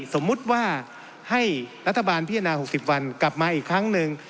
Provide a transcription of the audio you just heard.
สมมุติว่าให้รัฐบาลพิจารณา๖๐วันกลับมาอีกครั้งหนึ่ง